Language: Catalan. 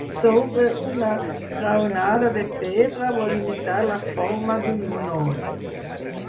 Sobre una graonada de pedra vol imitar la forma d'un monòlit.